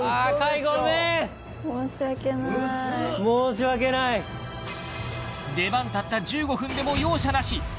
申し訳ない出番たった１５分でも容赦なし！